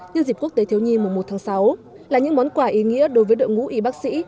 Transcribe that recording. nhân dịp quốc tế thiếu nhi mùa một tháng sáu là những món quà ý nghĩa đối với đội ngũ y bác sĩ